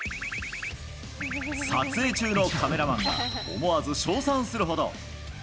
撮影中のカメラマンが、思わず称賛するほど。